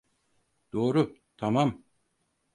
Doğru, tamam.